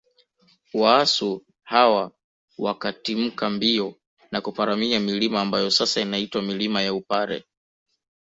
Waasu hawa wakatimka mbio na kuparamia milima ambayo sasa inaitwa milima ya Upare